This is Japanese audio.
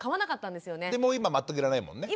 でもう今全くいらないもんね。